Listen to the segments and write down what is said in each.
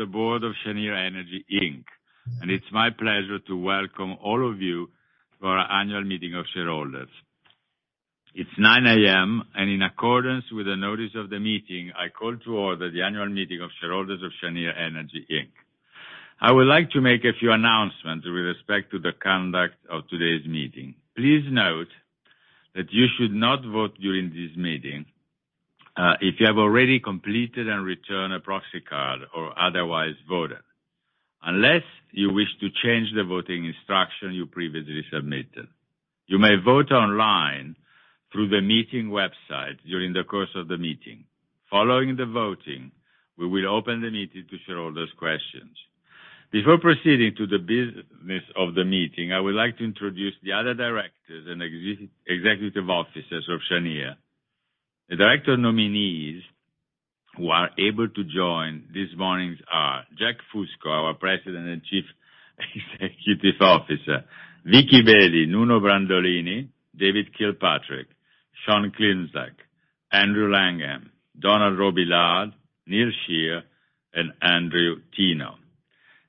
The Board of Cheniere Energy, Inc. It's my pleasure to welcome all of you to our annual meeting of shareholders. It's 9:00 A.M., in accordance with the notice of the meeting, I call to order the annual meeting of shareholders of Cheniere Energy, Inc. I would like to make a few announcements with respect to the conduct of today's meeting. Please note that you should not vote during this meeting if you have already completed and returned a proxy card or otherwise voted, unless you wish to change the voting instruction you previously submitted. You may vote online through the meeting website during the course of the meeting. Following the voting, we will open the meeting to shareholders' questions. Before proceeding to the business of the meeting, I would like to introduce the other directors and executive officers of Cheniere. The director nominees who are able to join this morning are Jack Fusco, our President and Chief Executive Officer. Vicky A. Bailey, Nuno Brandolini, David B. Kilpatrick, Sean T. Klimczak, Andrew Langham, Donald F. Robillard, Jr., Neal A. Shear, and Andrew Teno.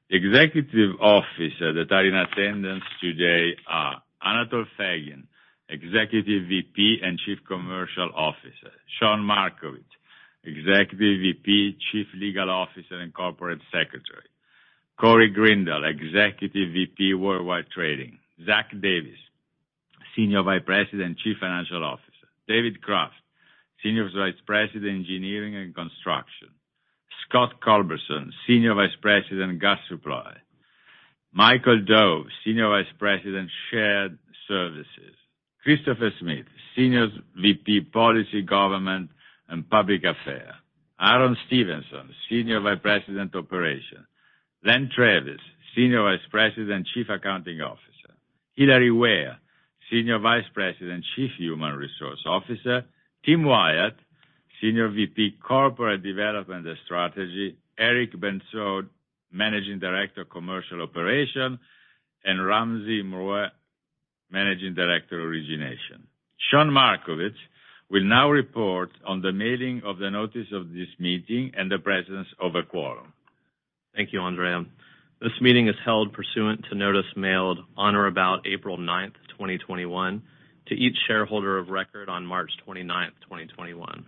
Executive officers that are in attendance today are Anatol Feygin, Executive VP and Chief Commercial Officer. Sean N. Markowitz, Executive VP, Chief Legal Officer, and Corporate Secretary. Corey Grindal, Executive VP, Worldwide Trading. Zach Davis, Senior Vice President, Chief Financial Officer. David Craft, Senior Vice President, Engineering and Construction. Scott Culberson, Senior Vice President, Gas Supply. Michael Dove, Senior Vice President, Shared Services. Christopher Smith, Senior VP, Policy, Government, and Public Affairs. Aaron Stephenson, Senior Vice President, Operations. Leonard Travis, Senior Vice President, Chief Accounting Officer. Hilary Ware, Senior Vice President, Chief Human Resources Officer. Tim Wyatt, Senior VP, Corporate Development and Strategy. Eric Bensaude, Managing Director, Commercial Operations, and Ramzi Mroueh, Managing Director, Origination. Sean Markowitz will now report on the mailing of the notice of this meeting and the presence of a quorum. Thank you, Andrea. This meeting is held pursuant to notice mailed on or about April 9th, 2021, to each shareholder of record on March 29th, 2021.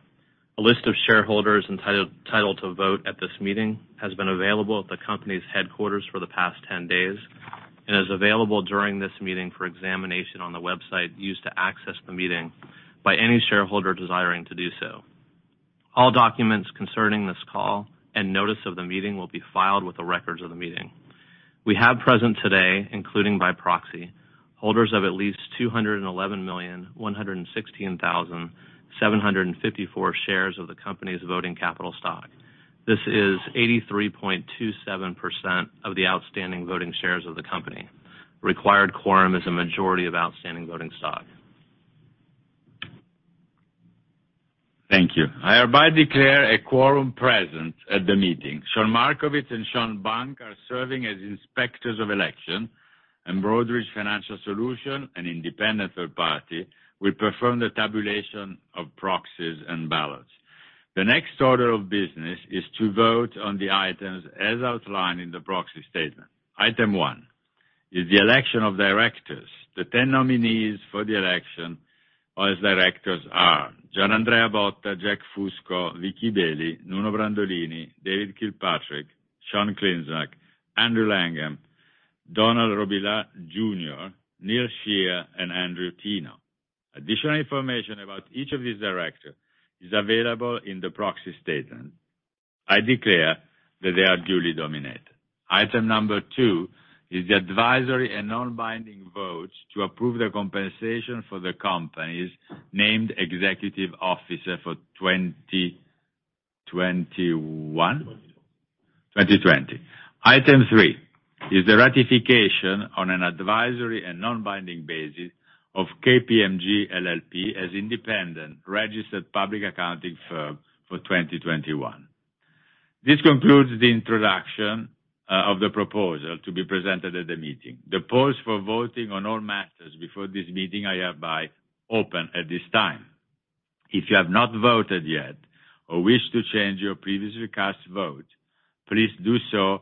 A list of shareholders entitled to vote at this meeting has been available at the company's headquarters for the past 10 days and is available during this meeting for examination on the website used to access the meeting by any shareholder desiring to do so. All documents concerning this call and notice of the meeting will be filed with the records of the meeting. We have present today, including by proxy, holders of at least 211,116,754 shares of the company's voting capital stock. This is 83.27% of the outstanding voting shares of the company. Required quorum is a majority of outstanding voting stock. Thank you. I hereby declare a quorum present at the meeting. Sean Markowitz and Sean Bank are serving as inspectors of election, and Broadridge Financial Solutions, an independent third party, will perform the tabulation of proxies and ballots. The next order of business is to vote on the items as outlined in the proxy statement. Item one is the election of directors. The 10 nominees for the election as directors are G. Andrea Botta, Jack Fusco, Vicky A. Bailey, Nuno Brandolini, David B. Kilpatrick, Sean T. Klimczak, Andrew Langham, Donald F. Robillard, Jr., Neal A. Shear, and Andrew Teno. Additional information about each of these directors is available in the proxy statement. I declare that they are duly nominated. Item number two is the advisory and non-binding vote to approve the compensation for the company's named executive officer for 2021? 2020. 2020. Item three is the ratification on an advisory and non-binding basis of KPMG LLP as independent registered public accounting firm for 2021. This concludes the introduction of the proposal to be presented at the meeting. The polls for voting on all matters before this meeting, I hereby open at this time. If you have not voted yet or wish to change your previously cast vote, please do so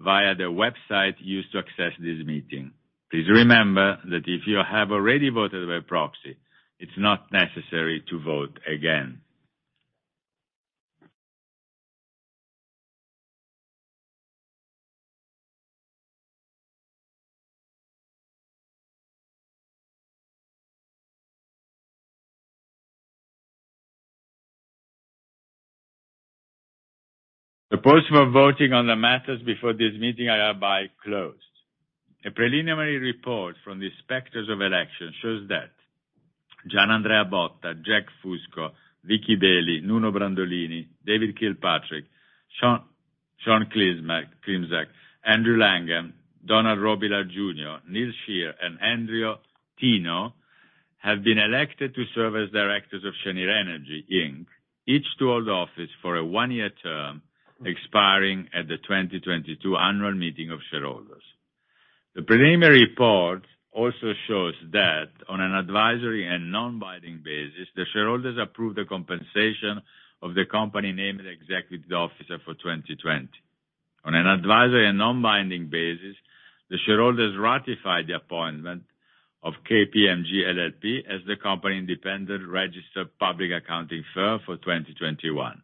via the website used to access this meeting. Please remember that if you have already voted by proxy, it's not necessary to vote again. The polls for voting on the matters before this meeting are hereby closed. A preliminary report from the inspectors of election shows that G. Andrea Botta, Jack Fusco, Vicky A. Bailey, Nuno Brandolini, David B. Kilpatrick, Sean T. Klimczak, Andrew Langham, Donald F. Robillard, Jr., Neal A. Shear, and Andrew Teno have been elected to serve as directors of Cheniere Energy, Inc. Each to hold office for a one-year term expiring at the 2022 annual meeting of shareholders. The preliminary report also shows that on an advisory and non-binding basis, the shareholders approved the compensation of the company named executive officer for 2020. On an advisory and non-binding basis, the shareholders ratified the appointment of KPMG LLP as the company independent registered public accounting firm for 2021.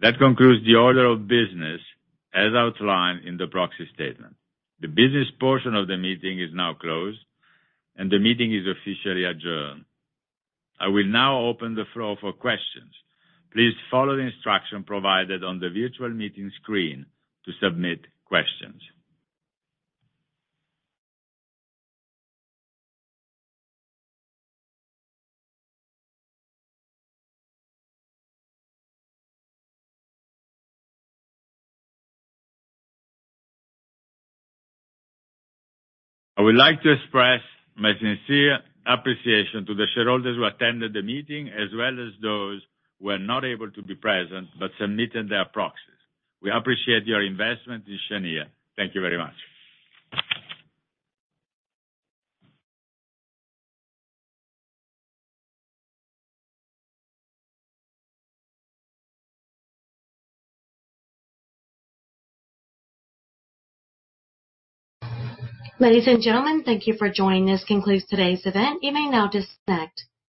That concludes the order of business as outlined in the proxy statement. The business portion of the meeting is now closed, and the meeting is officially adjourned. I will now open the floor for questions. Please follow the instructions provided on the virtual meeting screen to submit questions. I would like to express my sincere appreciation to the shareholders who attended the meeting as well as those who were not able to be present but submitted their proxies. We appreciate your investment in Cheniere. Thank you very much. Ladies and gentlemen, thank you for joining. This concludes today's event. You may now disconnect.